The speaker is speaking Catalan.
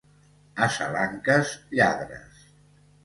A Salanques, lladres.